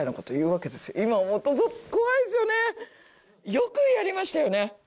よくやりましたよね。